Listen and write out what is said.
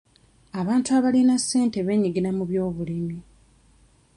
Abantu abalina ssente beenyigira mu byobulimi .